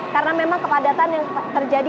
karena memang kepadatan yang terjadi